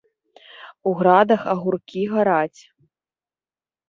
У градах агуркі гараць.